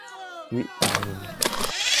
วิตามิน